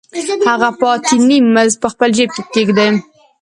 هغه پاتې نیم مزد په خپل جېب کې ږدي